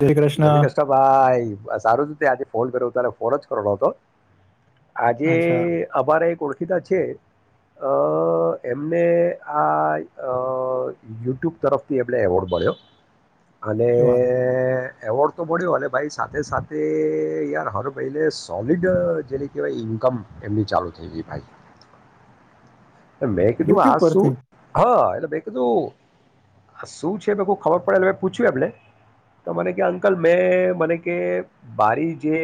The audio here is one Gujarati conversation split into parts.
જય શ્રી કૃષ્ણ કષ ભાઈ સારું જ તે આજે? ફોન કર્યો ત્યારે ફોન જ કરડો હતો. આજે અચ્છા અમારે એક વર્ષ છે, એમને આ યુટ્યુબ તરફથી એમને એવોર્ડ મળ્યો. અને શું વાત એવોર્ડ તો મળ્યો અને ભાઈ સાથે સાથે યાર હર ભાઈ સોલડ જે કહેવાય ઈન્કમ એમની ચાલુ થઈ ગઈ ભાઈ. મેં કીધું યુટ્યુબ આજ પરથી શું હા એટલે મેં કીધું, શું છે ખબર પડે પૂછ્યું એને તો મને કે અંકલ મેં મને કે બરી જે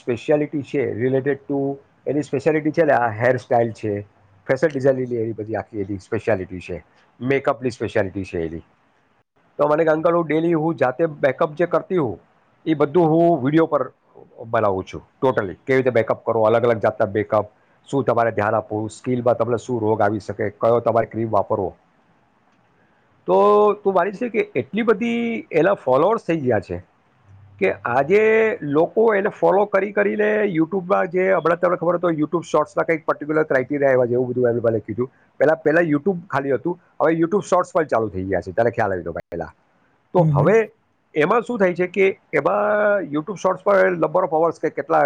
સ્પેશિયાલટી છે રિલેટેડ ટુ એની સ્પેશિયાલિટી છે ને આ હેર સાઈલ છે. ફેશન ડિઝાઇન એ બધી આખી એ સ્પેશિયાલિટી છે, મેકઅપની સ્પેશિયાલિટી છે, એની તો મને કે અંકલ હું ડેલી હું જાતે બેકઅપ જે કરતી હો, એ બધું હું વિડીયો પર બનાવું છું ટોટલી કેવી રીતે બેકઅપ કરો અલગ અલગ જાતના બેકઅપ શું તમારે ધ્યાન આપું. સ્ટીલમાં તમને શું રોગ આવી શકે કયો તમારી ક્રીમ વાપરવો, તો તું માની છે કે એટલી બધી એના ફોલોઅર્સ થઈ ગયા છે, કે આજે લોકો એને ફોલો કરી કરીને યુટ્યુબમાં જે હમણાં તમને ખબરય યુટ્યુબ શોર્ટસ કઈક પર્ટિક્યુલર ટપ એવું બધ કી પેલા પેલા યુટ્યુ ખલીલું, હવે યુુબોર્ટ પણ ચાલુ થઈ ગયા છે ત ખ્યાલ આવી પેલા તો હમ હમ હવે એમાં શું થાય છે કે એમાં યુટ્યુબ શોર્ટ્સ પર નંબર ઓફ અવર્સ કે કેટલા,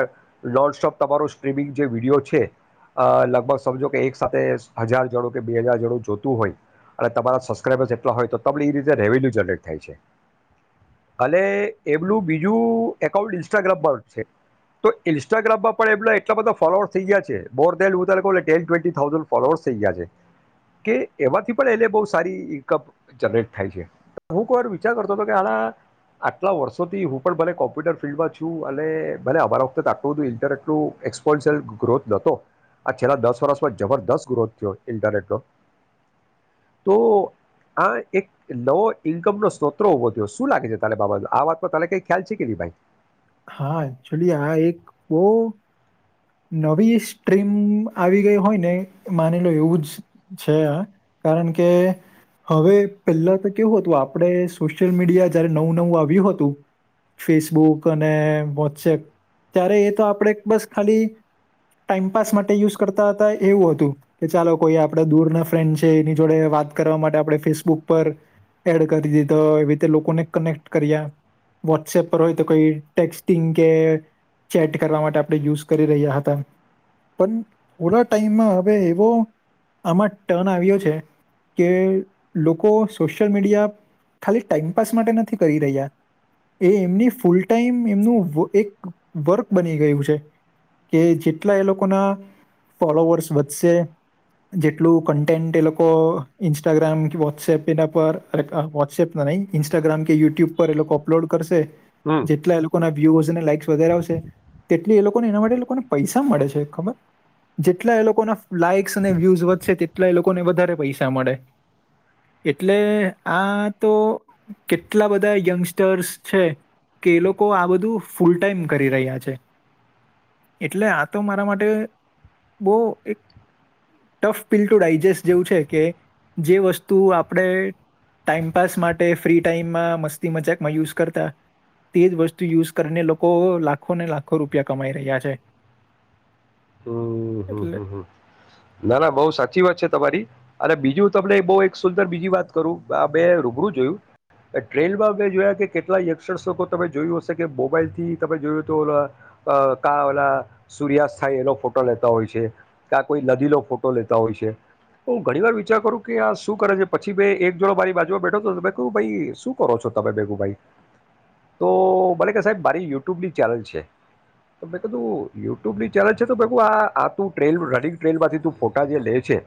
લો સોપ તમારો સ્ટ્રીમિંગ જે વિડીયો છે, લગભગ એક સાથે હજારડું કે બે હજાર જોડું જોતું હોય, અને તમારા સબસ્ક્રબર્ એટ હોય તો ત એ રીતે રેવન્યુ જનરેટ થાય છે, અને એમનુંબીજું એકાઉન્ટ ઇન્સ્ટાગ્રામ પર છે, તો ઇન્સ્ટાગ્રામમાં પણ એમ એટલા બધા ફોલોઅર્સ થઈ ગયા છે, બ ટેન ટ્વેન્ટી થાઉઝન્ડ ફોલોઅર્સ થઈ ગયા છે, કે એમાંથી પણ એને બહુ સારી ઇન્કમ જનરેટ થાય છે, હું કોઈવાર વિચાર કરતો હતો કે આ આટલા વર્ષોથી હું પણ ભલે કોમ્પ્યુટર ફિલ્ડમાં છું અને ભલે અમારા વખતે આટલું બધું ઇન્ટરેક્ટિવ એક્સપોન્શિયલ ગ્રોથ નતો, આ છેલ્લા દસ જબરસ્ત ગ્રોથ થયો ઇન્ટરનેટ નો, તો આ એક નવો ઈન્કમનોો સ્રોત ઉભો થયો, શું લાગે છે ત બાબા આ વાત ત કઈ ખ્યાલ છે કે ન ભાઈ? હા ચોલી આ એક બહ નવી સ્ટ્રીમ આવી ગઈ હોય ને, માની લો એવું જ છે, આ કારણ કે હવે પહેલા તો કેવું હતું આપણે સોશિયલ મીડિયા જયારે નવું નવું આવ્યું હતું, ફેસબુક અને વોટસએપ ત્યારે એ તો આપણે બસ ખાલી ટાઈમપાસ માટે યુઝ કરતા હતા એવું હતું, કે ચાલો કોઈ આપડા દૂરના ફ્રેન્ડ છે એની જોડે વાત કરવા માટે આપણે ફેસબુક પર એડ કરી દી તો એવી રીતે લોકોને કનેક્ટ કર્યા, વોટ્સપ પર હોય તો કોઈ ટેક્સ્ટિંગ કે ચેટ કરવા માટે આપણે યુઝ કર પણ થોડા ટાઈમ હવે એવો આમાં ટર્ન આવ્યો છે, કે લોકો સોશયલ મીડિયા ખાલી ટાઈમપાસ માટે નથી કરી રહ્યા, એમ ફૂલ ટાઈમમ વર્ક બની ગયું છે. કે જેટલા એ લોકો ના ફોલોવર્સ વધશે, જેટલું કન્ટેન્ટ એ લોકો ઇન્સ્ટાગ્રામ કે વોટ્સએપ એના પર વોટ્સએપ નહી ઇન્સ્ટાગ્રામ કે યુટ્યુબ પર એ લોકો અપલોડ કરશે. હમ જેટલા એ લોકો ના વ્યુસ અને લાઈક્સ વધારે આવશે, તેટલી એ લોકોને એના માટે પૈસા મળે છે ખબર, જેટલા એ લોકોના લાઈક્સ અને વ્યુઝ વધશે તેટલા એ લોકોને વધારે પૈસા મળે, એટલે આ તો કેટલા બધા યંગસ્ટર્સ છે, કે એ લોકો આ બધું ફૂલ ટાઈમ કરી રહ્યા છે. એટલે આ તો મારા માટે બહ એક ટફ પીલ ટુ ડાયજેસ્ટ જેવું છે કે, જે વસ્તુ આપણે ટાઈમપાસ માટે ફ્રી ટાઈમમાં મસ્તી મજાકમાં યુઝ કરતા, તે જ વસ્તુ યુઝ કરીને લોકો લાખોને લાખો રૂપિયા. કમાઈ રહ્યા છે. હ એટલે ના ના બહ સાચી વાત છે તમારી. અને બીજું તમને બહુ એક સુંદર બીજી વાત કરું આ બે રૂબરૂ જોયું, ટ્રેલમાં મેં જોયા કે કેટલા યક્ષર્શકો તમે જોયું હશે કે, મોબાઈલથી તમે જોયું તો ઓ કા ઓલા સૂર્યાસ્ત થાય એનો ફોટો લેતા હોય છે, કે કોઈ નદીલો ફોટો લેતા હોય છે, હું ઘણી વાર વિચાર કરું કે આ શું કરે છે પછી ભ એક જોડો મારી બાજુમાં બેઠો તો કધુ ઈ શું કરો છો તમે, ભેગું ભાઈ તો ભલે કે સાહેબ મારી યુટ્યુબની ચેનલ છે, તો મેં કધું યુટ્યુબની ચેનલ ટલ રનિંગ ટ્રેલ માંથી ત ફોટા જે લે છે,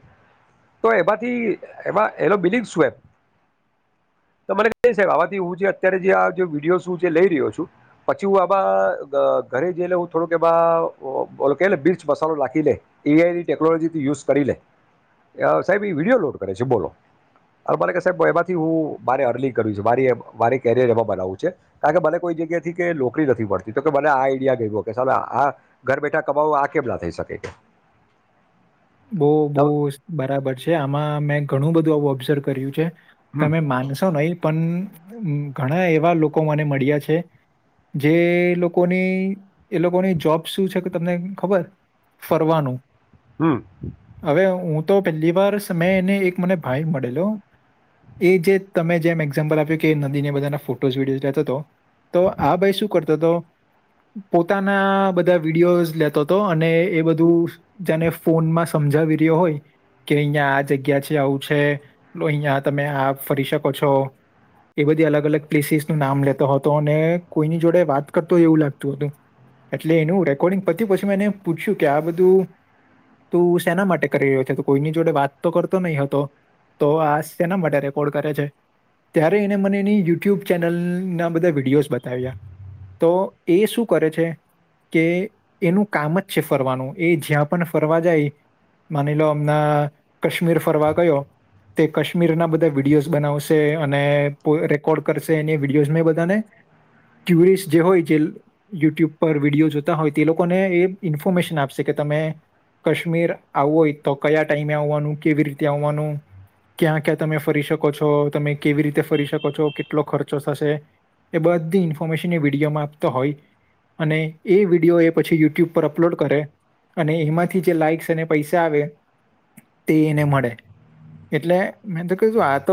તો એમાંથી એમાં એ બિ સ્પ મને ક સાબ આથી હું અત જે વિડીયો લઈ રહ્યો છું પછી હું આ ઘરે જઈ હ થોડક એ બોલો મિરચ મસાલો નાખી લે એઆઈની ટેકનોલોજી થી યુઝ કરી લે સાહેબ એ વિડીયો લોડ કરે છે બોલો અને મ સાહેબ એમાંથી હું મારે અર્લિંગ કર્યું છે મારી મારે કેરિયર એમાં બનાવું છે કારણ કે મને કોઈ જગ્યા થી નોકરી નથી મળડતી તો કે મને આ આઈડિયા ગ કે આ. ઘર બેઠા કબાવો આ કેબલા થઈ શકે કે. બહ બહ બરાબર છે આમાં મેં ઘણું બધું આવ ઓબ્ઝર્વ કર્યું છે. હમ તમે માનશો નહી પણ ઘણા એવા લોકો મને મળ્યા છે, જે લોકોની એ લોકોની જોબ શું છે કે તમને ખબર ફરવાનું. હમ હવે હું તો પહેલી વાર મેં એને એક મને ભાઈ મળેલો, એ જે તમે જેમ એક્ઝામ્પલ આપ્યું કે નદીને બધાના ફોટોઝ વિડીયોઝ લેતો હતો. તો આ ભાઈ શું કરતો પોતાના બધા વિડીયો લેતો હતો અને એ બધું જેને ફોનમાં સમજાવી રહ્યો, હોય કે અહિયાંયા આ જગ્યા છે, આવું છે, અહિયાં તમે આ ફરી શકો છો એ બધી અલગ અલગ પ્લેસીસ નું નામ લેતો હતો અને કોઈની જોડે વાત કરતોય એવું લાગતું હતું, એટલે એનું રેકોર્ડિંગ પતું પછી મેં એને પૂછ્યું કે આ બધું તો સેના માટે કરી રહ્યો છે તો કોઈની જોડે વાત તો કરતો નહીં હતો, તો આ શેના માટે રેકોર્ડ કરે છે, ત્યારે એને મને એની યુટ્યુબ ચેનલ ના બધા વિડીયોઝ બતાવ્યા, તો એ શું કરે છે, કે એનું કામ જ છે ફરવાનું એ જ્યાં પણ ફરવા માની લો અમના કાશ્મીર ફરવા ગયો, તે કાશ્મીરના બધા વિડીયોઝ બનાવશે અને રેકોર્ડ કરશે એ વિડીયોઝ બધાને, ટુરિસ્ટ જે હોય જે યુટ્યુબ પર વિડીયો જોતા હોય તે લોકોને એ ઇન્ફોર્મેશન આપશે કે તમે કાશ્મીર આવવું હોય તો કયા ટાઈમે આવવાનું કેવી રીતે આવવાનું, ક્યાં ક્યાં તમે ફરી શકો છો તમે કેવી રીતે ફરી શકો છો કેટલો ખર્ચો થશે, એ બધી ઇન્ફોર્મેશન એ વિડીયોમાં આપતો હોય, અને એ વિડીયો એ પછી યુટ્યુબ પર અપલોડ કરે, અને એમાં જ લ પૈસા આવે, તે એને મળે, એટલે મે તો કું આ તો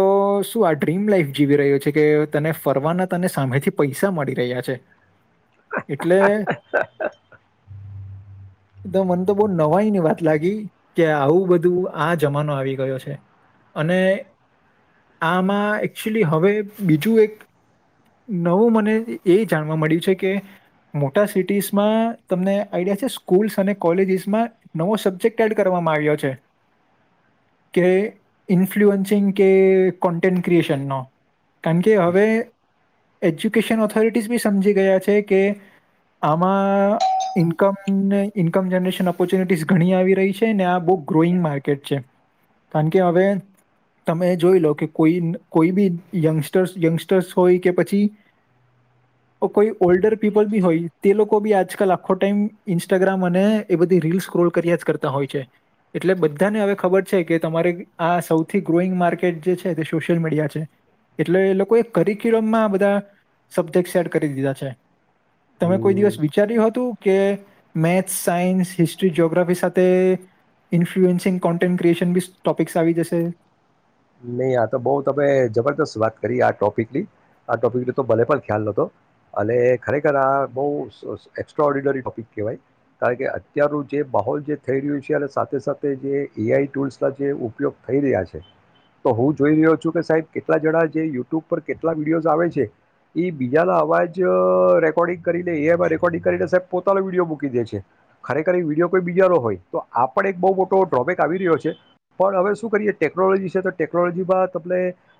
શું આ ડ્રીમ લાઈફ જીવી રહ્યો છે કે તને ફરવાના તને સામેથી પૈસા મળી રહ્યા છે, એટલે મ તો બ નવાઈની વાત લાગી કે આવું બધું આ જમાનો આવી ગયો છે, અને આમાં એકચુલી હવે બીજું એક નવું મને એ જાણવા મળ્યું છે કે, મોટા સિટીસમાં તમને આઈડિયા છે સ્કૂલ્સ અને કોલેજસ નવો સબ્જેક્ટ એડ કરવામાં આવ્યો છે, કે ઇન્ફલુઅન્સિંગ કે કોન્ટેન્ટ ક્રિએશન નો કારણ કે હવે એજ્યુકેશન ઓથોરિટીઝ બી સમજી ગયા છે કે, આમાં ઇન્કમને ઇન્કમ જનરેશન ઓપોર્ચ્યુનિટીઝ ઘણી આવી રહી છે અને આ બુક ગ્રોઈંગ માર્કેટ છે. કારણ કે હવે, તમે જોઈ લો કે કોઈ કોઈ બી યંગસ્ટર્સ યંગસ્ટર્સ હોય કે પછી, કોઈ ઓલ્ડર પીપલી હોઈ તે લોકો આજ લખો ટાઈમ ઇન્સ્ટાગ્રામ અને એ બધું રીલ સ્ક્રો કર્યા કરતા હોય છે, એટલે બધા બધાને હવે ખબર છે કે તમારે આ સૌથી ગ્રોઈંગ માર્કેટ જે છે તે સોશિયલ મીડિયા છે, એટલે એ લોકોએ કરિક્યુલમમાં બધા, સબ્જેક્ટ એડ કરી દીધા છે. તમે કોઈ દિવસ હમ વિચાર્યું હતું. કે મેથ્સ સાયન્સ હિસ્ટ્રી જઓગ્રાફી સાથે ઇન્ફ્લુઅન્સિંગ કોન્ટેન્ટ ક્રિએશન બી ટોપિક્સ આવી જશે? નહીં આ તો બહુ તમે જબરદસ્ત વાત કરી આ ટોપિકની, આ ટોપિકની તો ભલે પણ ખ્યાલ નહતો, અને ખરેખર આ બહુ એસ્ટ્રા ઓર્ડિનરી ટોપિક કહેવાય, કારણ કે અત્યારનું જે માહોલ જે થઈ રહ્યું છે અને સાથે સાથે જે એ આઈ ટૂલ્સના જે ઉપયોગ થઈ રહ્યા છે. તો હું જોઈ રહ્યો છું કે સાહેબ કેટલા જણા જે યુટ્યુબ પર કેટલા વિડીયોઝ આવે છે, એ બીજાના અવાજ રેકોર્ડિંગ કરીને એ રેકોર્ડિંગ કરીને સાહેબ પોતાનો વિડીયો મૂકી દે છે, ખરેખર વિડીયો કોઈ બીજા હોય તો આ પણ એક બહુ મોટો ડ્રોબેક આવી રહ્યો છે, પણ હવે શું કરીએ ટેકનોલોજી છે તો ટેકનોલોજીમાં તમને,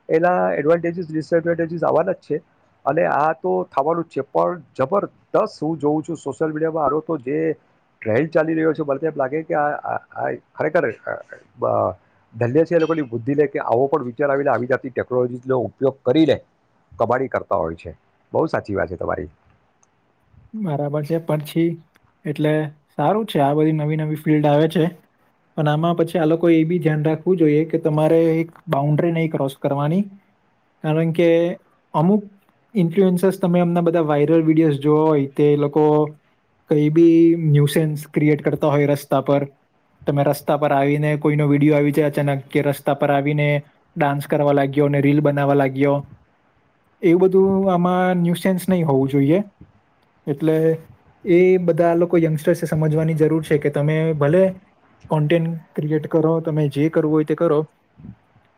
એના એડવાન્ટેજીસ ડિસએડવાન્ટેજીસ આવવાના જ છે અને આ તો થવાનું જ છે, પણ જબરદસ્ત હું જોઉં છું સોશિયલ મીડિયામાં આરો તો જે ટ્રેડ ચાલી રહ્યો છે મને તો એમ લાગે કે આ આ ખરેખર ધન્ય છે એ લોકોની બુદ્ધિ લે કે આવો પણ વિચાર આવી આવી જાતી ટેકનોલોજી ઉપયોગ કરી લે, કબાડી કરતા હોય છે, બહુ સાચી વાત છે તમારી. બરાબર છે પછી, એટલે સારું છે આ બધી નવી નવી ફિલ્ડ આવે છે, પણ આમાં પછી આ લોકો એ બી ધ્યાન રાખવું જોઈએ કે તમારે એક બાઉન્ડ્રી નહી ક્રોસ કરવાની, કારણ કે અમુક ઇન્ફ્લુએન્સસ તમે એમના બધા વાયરલ વિડીયોઝ જો હોય તે લોકો કઈ બી ન્યુસેન્સ ક્રિએટ કરતા હોય રસ્તા પર, તમે રસ્તા પર આવીને કોઈનો વિડીયો આવી જાય અચાનક કે રસ્તા પર આવીને ડાન્સ કરવા લાગ્યો, અને રીલ બનાવવા લાગ્યો એવું બધું આમાં ન્યુસેન્સ નહી હોવું જોઈએ. એટલે એ બધા લોકો યંગસ્ટર્સે સમજવાની જરૂર છે કે તમે ભલે કોન્ટેન્ટ ક્રિએટ કરો તમે જે કરવું હોય તે કરો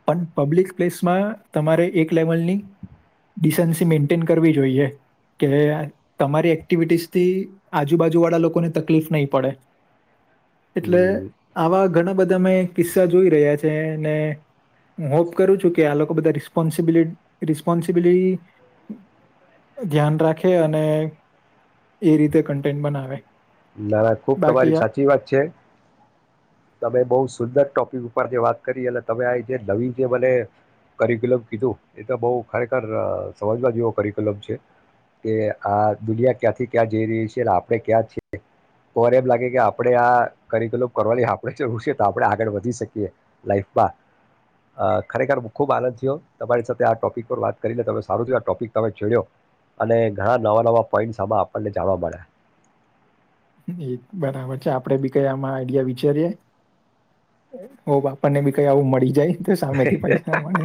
પણ પબ્લિક પ્લેસમાં તમારે એક લેવલની ડિસન્સી મેન્ટેન કરવી જોઈએ કે તમારી એક્ટિવિટીઝથી આજુબાજુવાળા લોકોને તકલીફ નહીં, પડે એટલે હમ, આવા ઘણા બધા મેં કિસ્સા જોઈ રહ્યા છે અને, ને હું હોપ કરું છું કે આ લોકો બધા રિસ્પોન્સિબિલ રિસ્પોન્સિબિલિટી ધ્યાન રાખે અને એ રીતે કન્ટેન્ટ બનાવે. ના ના ખુબ બાકી તમારી આ સાચી વાત છે, તમે બહ સુંદર ટોપિક જે વાત કરી એટલે તમે આ નવી જે મને કરિકુલમ કીધું એ તો બ ખરેખર સમજવા જેવો કરિક્યુલમ છે, કે આ દુનિયા ક્યાંથી ક્યાં જઈ રહી છે અને આપણે ક્યાં છ તો વાર એમ લાગે કે આપણે આ કરિકુલમ કરવાની આપણે ઋષિએ તો આપણે આગળ વધી શકીએ, લાઈફમાં ખરેખર ખૂબ આનંદ થયો તમારી સાથે આ ટોપિક પર વાત કરીને તમે સારું થું આ ટોપિક તમે છેડ્યો અને ઘણા નવા નવા પોઈન્ટસમાં આપણને જાણવા મળ્યા. એ બરાબર છે આપડે બી કઈ આમાં આઈડિયા વિચારીએ, હો બાપણ ને બી કઈ આવું મળી જાય. તો સામેથી પૈસા મળે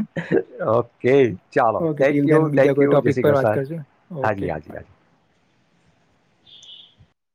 ઓકે ચાલો okay thank till you then thank બીજા કોઈ યુ જય ટોપિક શ્રી ક પર વાત કરશું હા જ ઓકે હા હા.